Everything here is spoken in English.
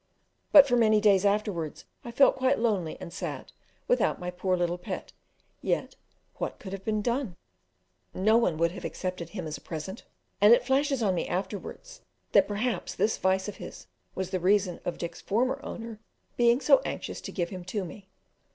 But for many days afterwards I felt quite lonely and sad without my poor little pet yet what could have been done? No one would have accepted him as a present, and it flashed on me afterwards that perhaps this vice of his was the reason of Dick's former owner being so anxious to give him to me.